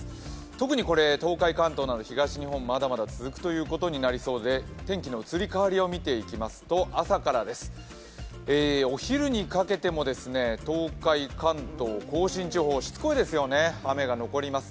特に東海・関東など、東日本まだまだ続くところがありそうで天気の移り変わりを見ていきますと、朝からです、お昼にかけても東海・関東・甲信地方、しつこいですよね、雨が残ります。